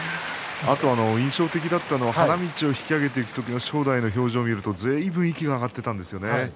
印象的だったのは花道を引き揚げていく時の正代の表情を見るとずいぶん息が上がっていたんですね。